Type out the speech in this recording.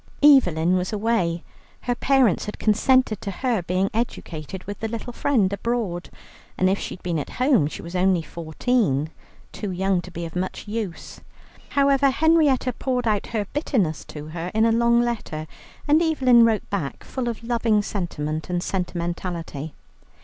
Evelyn was away, her parents had consented to her being educated with the little friend abroad, and if she had been at home, she was only fourteen, too young to be of much use. However Henrietta poured out her bitterness to her in a long letter, and Evelyn wrote back full of loving sentiment and sentimentality.